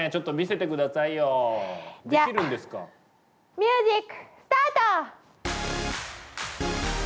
ミュージックスタート！